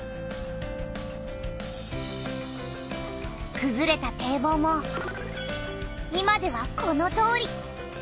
くずれた堤防も今ではこのとおり。